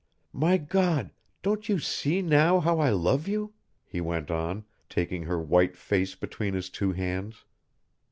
"My God, don't you see now how I love you?" he went on, taking her white face between his two hands.